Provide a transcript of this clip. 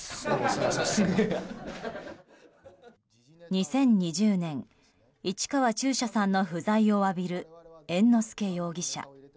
２０２０年、市川中車さんの不在を詫びる猿之助容疑者。